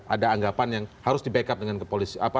ada anggapan yang harus di backup dengan kepolisian